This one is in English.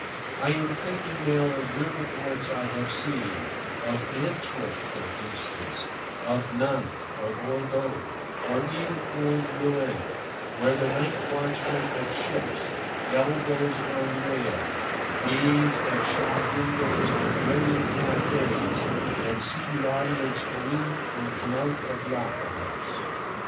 I am thinking now of river ports I have seen—of Antwerp, for instance; of Nantes or Bordeaux, or even old Rouen, where the night watchmen of ships, elbows on rail, gaze at shop windows and brilliant cafés, and see the audience go in and come out of the opera house.